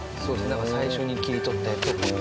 だから最初に切り取ったやつを。